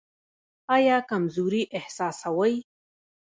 ایا کمزوري احساسوئ؟